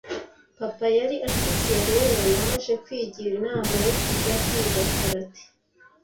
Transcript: papa yari amfitiye rero naje kwigira inama yo kujya kwiga karate